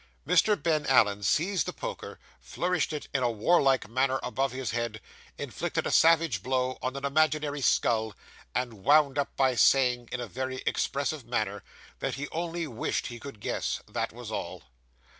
Mr. Ben Allen seized the poker, flourished it in a warlike manner above his head, inflicted a savage blow on an imaginary skull, and wound up by saying, in a very expressive manner, that he only wished he could guess; that was all.